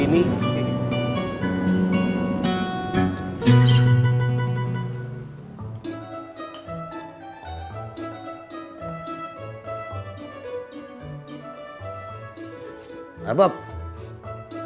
untungnya tebel ya